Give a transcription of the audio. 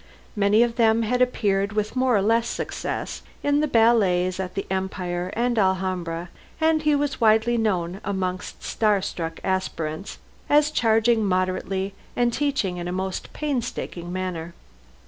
Many of them had appeared with more or less success in the ballets at the Empire and Alhambra, and he was widely known amongst stage struck aspirants as charging moderately and teaching in a most painstaking manner.